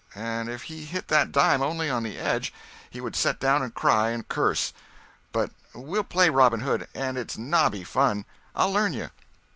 And if he hit that dime only on the edge he would set down and cry—and curse. But we'll play Robin Hood—it's nobby fun. I'll learn you."